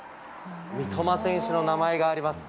三笘選手の名前があります。